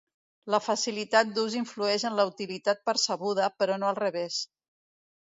La facilitat d'ús influeix en la utilitat percebuda, però no al revés.